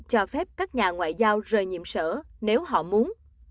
cho phép các nhà ngoại giao rời nhiệm sở nếu họ muốn